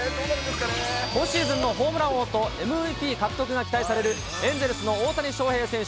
今シーズンのホームラン王とＭＶＰ獲得が期待されるエンゼルスの大谷翔平選手。